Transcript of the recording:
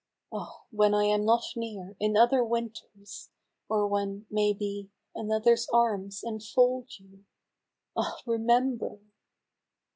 Oh ! when I am not near, in other T^inters, Or when, may be, another's arms enfold you, Ah ! remember